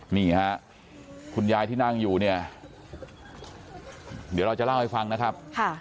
นี่ฮะคุณยายที่นั่งอยู่เนี่ยเดี๋ยวเราจะเล่าให้ฟังนะครับ